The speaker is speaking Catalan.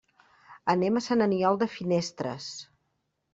Anem a Sant Aniol de Finestres.